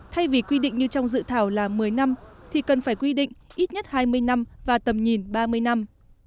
thay vì quy định như trong dự thảo là một mươi năm thì cần phải quy định ít nhất hai mươi năm và tầm nhìn ba mươi năm